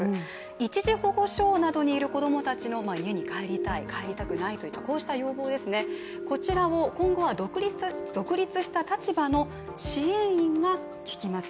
一時保護所などにいる子供たちの言えに帰りたくない、帰りたくないといった、こうした要望ですね、こちらは今度は独立した立場の支援員が聞きます。